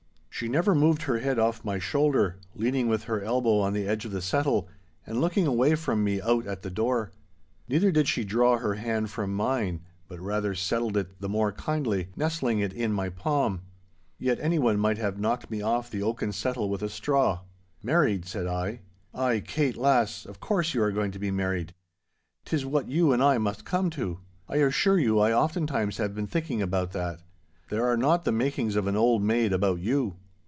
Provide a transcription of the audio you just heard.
She never moved her head off my shoulder, leaning with her elbow on the edge of the settle, and looking away from me out at the door. Neither did she draw her hand from mine, but rather settled it the more kindly, nestling it in my palm. Yet anyone might have knocked me off the oaken settle with a straw. 'Married!' said I. 'Ay, Kate, lass, of course you are going to be married. 'Tis what you and I must come to. I assure you I oftentimes have been thinking about that. There are not the makings of an old maid about you!